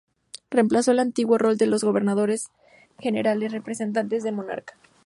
Reemplazó el antiguo rol de los Gobernadores generales, representante del monarca.